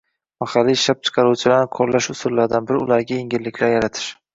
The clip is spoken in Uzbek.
Mahalliy ishlab-chiqaruvchilarni qo‘llash usullaridan biri ularga yengilliklar yaratish